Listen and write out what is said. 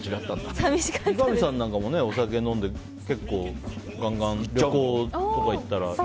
三上さんなんかもお酒飲んで結構ガンガン、旅行とか行ったら。